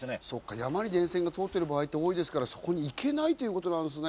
山に電線が通ってる場合、多いですから、そこに行けないということですね。